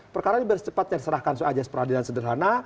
perkara ini biar secepatnya diserahkan aja peradilan sederhana